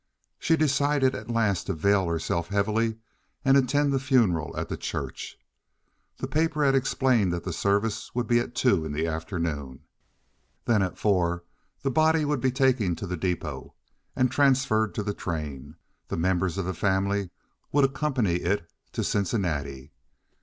She decided at last to veil herself heavily and attend the funeral at the church. The paper had explained that the services would be at two in the afternoon. Then at four the body would be taken to the depôt, and transferred to the train; the members of the family would accompany it to Cincinnati.